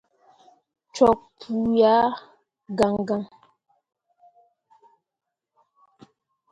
Cok pu yak gãn gãn.